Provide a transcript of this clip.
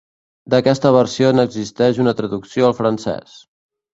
D'aquesta versió n'existeix una traducció al francès.